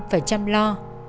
phải chăm lo